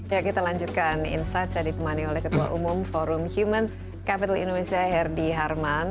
ya kita lanjutkan insight saya ditemani oleh ketua umum forum human capital indonesia herdy harman